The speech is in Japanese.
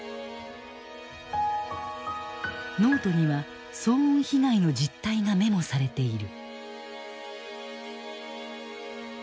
ノートには騒音被害の実態がメモされている。